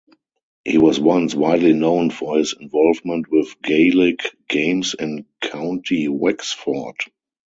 He was once widely known for his involvement with Gaelic games in County Wexford.